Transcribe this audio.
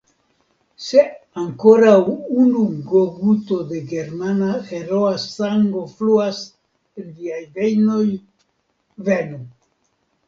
Se ankoraŭ unu guto da germana heroa sango fluas en viaj vejnoj, venu!